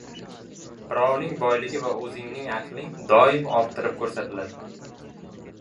• Birovning boyligi va o‘zingning aqling doim orttirib ko‘rsatiladi.